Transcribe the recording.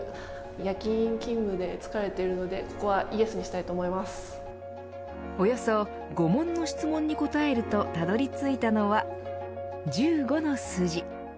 夜勤勤務で疲れているのでここはイエスにしたいとおよそ５問の質問に答えるとたどり着いたのは１５の数字。